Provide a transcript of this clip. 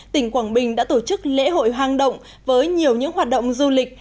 tỉnh quảng bình đã tổ chức lễ hội hoang động với nhiều những hoạt động du lịch